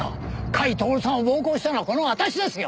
甲斐享さんを暴行したのはこの私ですよ！